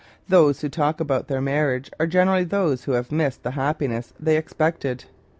Those who talk about their marriage are generally those who have missed the happiness they expected.